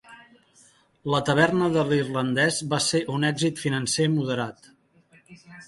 "La Taverna de l'irlandès" va ser un èxit financer moderat.